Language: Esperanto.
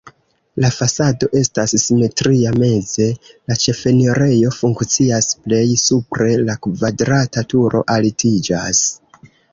La fasado estas simetria, meze la ĉefenirejo funkcias, plej supre la kvadrata turo altiĝas.